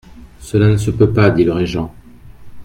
Cela ne se peut pas, dit le régent.